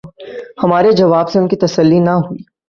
ہمارے جواب سے ان کی تسلی نہ ہوئی۔